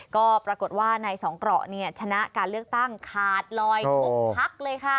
ก็ปรากฏว่าในสองเกราะเนี่ยชนะการเลือกตั้งขาดลอยทุกพักเลยค่ะ